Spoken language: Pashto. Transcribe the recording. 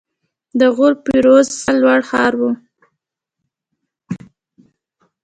د غور فیروزکوه لوړ ښار و